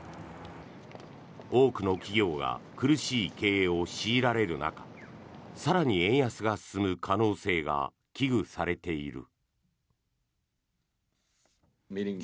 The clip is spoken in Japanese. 多くの企業が苦しい経営を強いられる中更に円安が進む可能性が危惧されている。